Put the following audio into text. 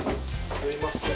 すいません。